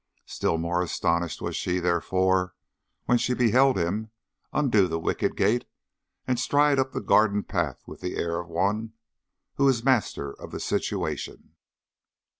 Still more astonished was she, therefore, when she beheld him undo the wicket gate and stride up the garden path with the air of one who is master of the situation.